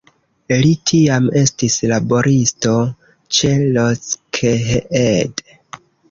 Li tiam estis laboristo ĉe Lockheed.